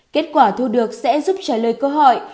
kết quả thu được sẽ giúp trả lời cơ hội